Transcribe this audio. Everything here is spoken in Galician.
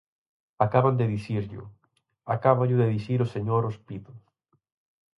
Acaban de dicirllo, acáballo de dicir o señor Ospido.